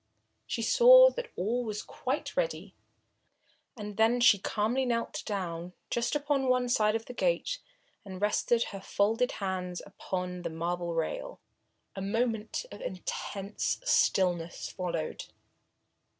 She saw that all was quite ready, and then she calmly knelt down just upon one side of the gate and rested her folded hands upon the marble railing. A moment of intense stillness followed.